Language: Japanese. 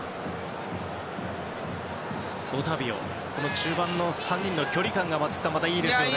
中盤の３人の距離感が松木さん、またいいですよね。